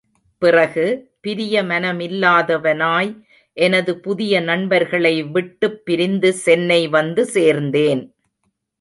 பிறகு, பிரிய மனமில்லாதவனாய் எனது புதிய நண்பர்களை விட்டுப் பிரிந்து சென்னை வந்து சேர்ந்தேன்.